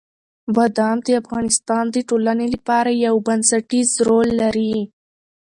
بادام د افغانستان د ټولنې لپاره یو بنسټيز رول لري.